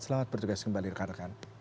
selamat bertugas kembali rekan rekan